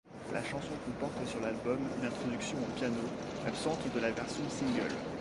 La chanson comporte sur l'album une introduction au piano, absente de la version single.